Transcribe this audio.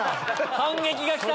反撃が来た！